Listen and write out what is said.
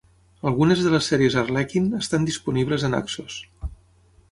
Algunes de les sèries Harlequin estan disponibles a Naxos.